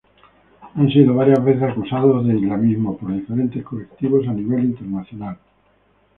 Han sido varias veces acusados de Islamismo por diferentes colectivos a nivel internacional.